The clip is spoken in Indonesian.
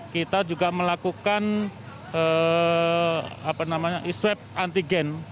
kita juga melakukan swab antigen